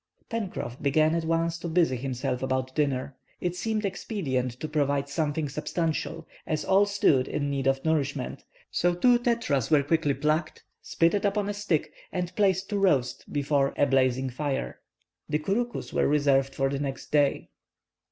Pencroff began at once to busy himself about dinner. It seemed expedient to provide something substantial, as all stood in need of nourishment, so two tetras were quickly plucked, spitted upon a stick, and placed to roast before at blazing fire. The couroucous were reserved for the next day.